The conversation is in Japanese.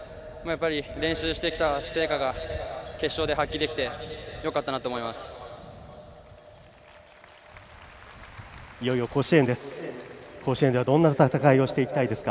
やっぱり、練習してきた成果が決勝で発揮できてよかったなと思います。